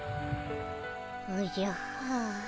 おじゃはあ。